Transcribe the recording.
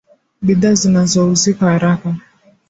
bidhaa zinazouzika haraka